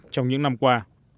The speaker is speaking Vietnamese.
trong những năm qua